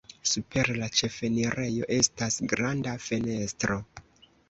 Super la ĉefenirejo estas granda fenestro.